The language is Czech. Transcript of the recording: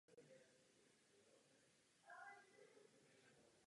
Úponky umožňují této rostlině pnout se po pevných předmětech.